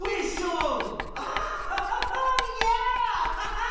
ハハハ！